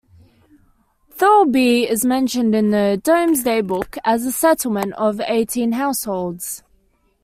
Thurlby is mentioned in the "Domesday Book" as a settlement of eighteen households.